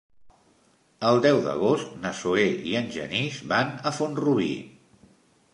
El deu d'agost na Zoè i en Genís van a Font-rubí.